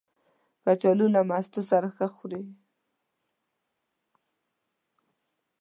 کچالو له مستو سره ښه خوري